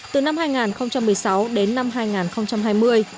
từ năm hai nghìn một mươi sáu đến năm hai nghìn hai mươi